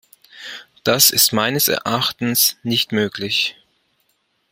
Dies ist meines Erachtens nicht möglich.